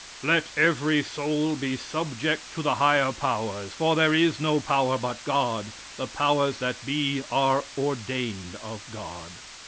"Let every soul be subject to the higher powers; For there is no power but God: the powers that be are ordained of God."